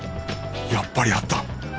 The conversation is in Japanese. やっぱりあった！